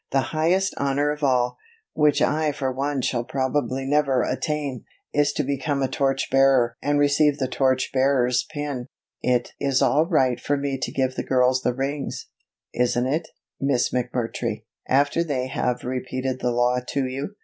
The highest honor of all, which I for one shall probably never attain, is to become a Torch Bearer and receive the Torch Bearer's pin. It is all right for me to give the girls the rings, isn't it, Miss McMurtry, after they have repeated the law to you?"